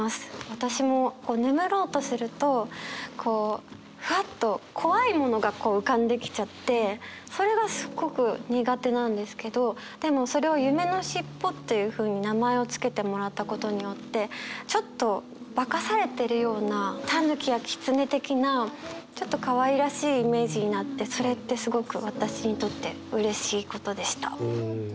私も眠ろうとするとこうふわっと怖いものがこう浮かんできちゃってそれがすっごく苦手なんですけどでもそれを「夢のしっぽ」というふうに名前を付けてもらったことによってちょっと化かされてるようなたぬきやきつね的なちょっとかわいらしいイメージになってそれってすごく私にとってうれしいことでした。